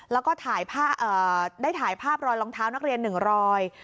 แล้วก็ได้ถ่ายภาพรอยรองเท้านักเรียน๑รอย